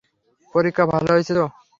পরীক্ষা ভালো হয়েছে তো?